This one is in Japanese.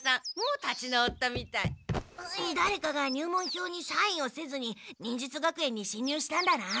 だれかが入門票にサインをせずに忍術学園に侵入したんだな。